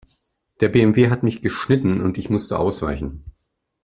Der BMW hat mich geschnitten und ich musste ausweichen.